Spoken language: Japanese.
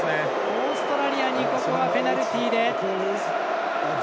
オーストラリアにここはペナルティ。